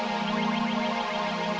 jangan tanggil polisi mbak